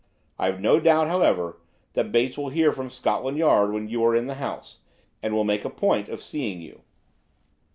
I've no doubt, however, that Bates will hear from Scotland Yard that you are in the house, and will make a point of seeing you."